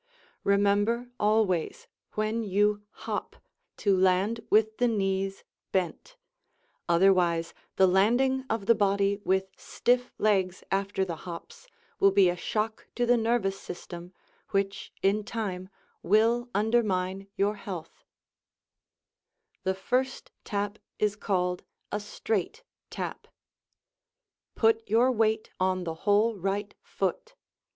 Remember always, when you hop, to land with the knees bent; otherwise, the landing of the body with stiff legs after the hops will be a shock to the nervous system which in time will undermine your health. [Illustration: Straight Tap] The first tap is called a "straight" tap. Put your weight on the whole right foot.